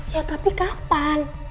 ya tapi kapan